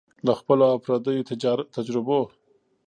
له خپلو او پردیو تجربو